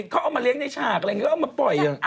เขาเอามาเลี้ยงในฉากอะไรอย่างนี้เอามาปล่อยอย่างนี้